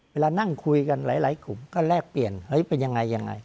เวลานั่งคุยกันหลายกลุ่มก็แลกเปลี่ยนเฮ้ยเป็นยังไงยังไง